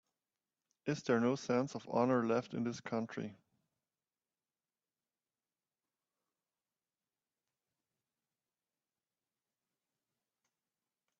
Is there no sense of honor left in this country?